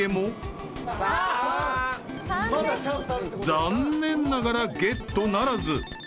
［残念ながらゲットならず］